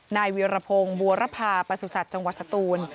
นายเวียรพงศ์บัวรภาประสุทธิ์จังหวัดสตูน